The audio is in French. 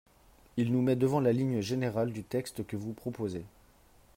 Il nous met devant la ligne générale du texte que vous proposez.